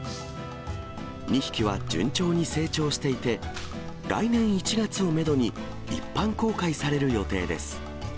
２匹は順調に成長していて、来年１月をメドに、一般公開される予定です。